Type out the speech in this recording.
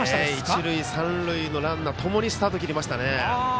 一塁三塁のランナー共にスタートを切りましたね。